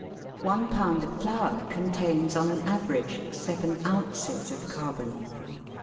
One pound of flour contains on an average seven ounces of carbon.